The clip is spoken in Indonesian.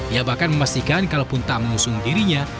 ia bahkan memastikan kalaupun tak mengusung dirinya